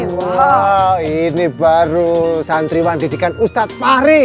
wow ini baru santriwan didikan ustadz fahri